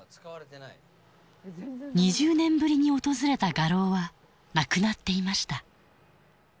２０年ぶりに訪れた画廊はなくなっていました。